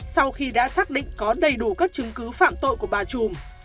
sau khi đã xác định có đầy đủ các chứng cứ phạm tội của bà trùm